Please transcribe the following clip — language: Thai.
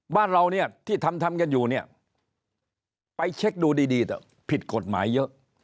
บ้านเราเนี่ยที่ทำทำกันอยู่เนี่ยไปเช็คดูดีเถอะผิดกฎหมายเยอะ